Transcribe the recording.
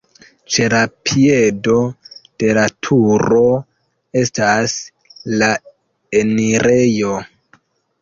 Ĉe la piedo de la turo estas la enirejo.